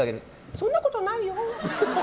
そんなことないよ。